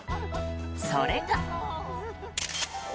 それが。